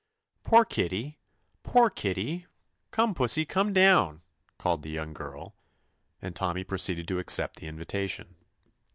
"Poor kitty! Poor kitty! Come, pussy, come down," called the young girl, and Tommy proceeded to accept the invitation.